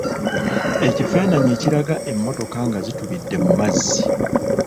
Ekifaananyi ekiraga emmotoka nga zitubidde mu mazzi.